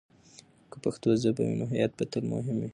که پښتو ژبه وي، نو هویت به تل مهم وي.